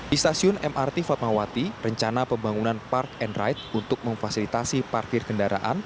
di stasiun mrt fatmawati rencana pembangunan park and ride untuk memfasilitasi parkir kendaraan